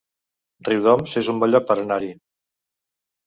Riudoms es un bon lloc per anar-hi